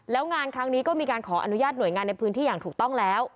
แล้วงานครั้งนี้ก็มีการขออนุญาตหน่วยงานในพื้นที่อย่างถูกต้องแล้ว